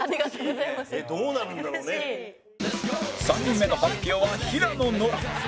３人目の発表は平野ノラ